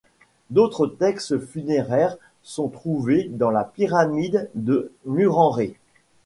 D'autres textes funéraires sont trouvés dans la pyramide de Mérenrê.